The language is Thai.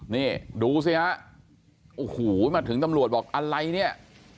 นี่ดูสิฮะโอ้โหมาถึงตำรวจบอกอะไรเนี่ย